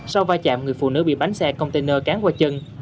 sau va chạm người phụ nữ bị bánh xe container cán qua chân